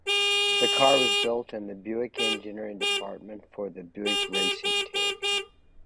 The car was built in the Buick Engineering department for the Buick Racing Team.